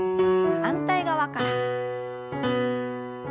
反対側から。